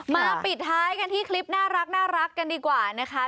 ปิดท้ายกันที่คลิปน่ารักกันดีกว่านะคะ